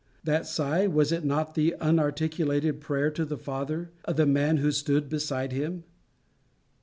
That sigh, was it not the unarticulated prayer to the Father of the man who stood beside him?